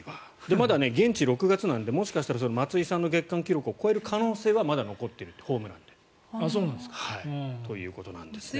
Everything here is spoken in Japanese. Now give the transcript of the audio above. まだ、現地６月なのでもしかしたら松井さんの月間記録を超える可能性はまだ残っているとホームランでそういうことなんですね。